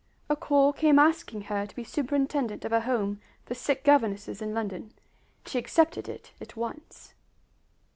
A call came asking her to be superintendent of a Home for Sick Governesses in London, and she accepted it at once.